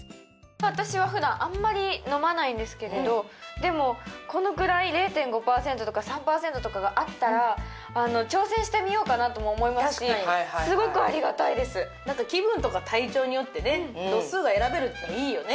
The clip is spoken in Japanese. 私はふだんあんまり飲まないんですけれどでもこのくらい０．５％とか３％とかがあったら挑戦してみようかなとも思いますしすごくありがたいですなんか気分とか体調によってね度数が選べるっていいよね